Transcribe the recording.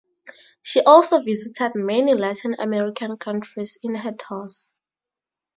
She also visited many Latin American countries in her tours.